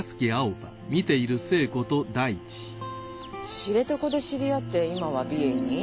知床で知り合って今は美瑛に？